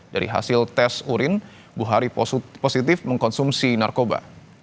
dari hasil tes urin buhari positif mengkonsumsi narkoba